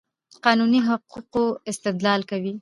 قانوني حقوقو استدلال کوي.